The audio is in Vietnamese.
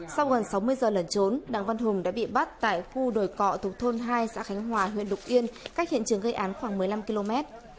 sau gần sáu mươi giờ lẩn trốn đặng văn hùng đã bị bắt tại khu đồi cọ thuộc thôn hai xã khánh hòa huyện lục yên cách hiện trường gây án khoảng một mươi năm km